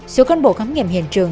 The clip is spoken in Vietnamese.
số cân bộ khám nghiệm hiện trường